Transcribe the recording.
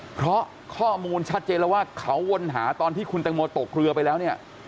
เพราะข้อมูลชัดเจนแล้วว่าเขาวนหาตอนที่คุณแตงโมตกเรือไปแล้วเนี่ย